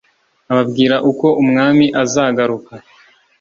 ababwira uko umwami azagaruka